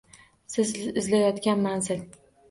Siz izlayotgan manzil